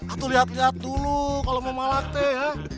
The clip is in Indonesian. aduh lihat lihat dulu kalau mau malak teh ya